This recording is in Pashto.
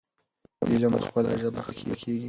علم په خپله ژبه ښه زده کيږي.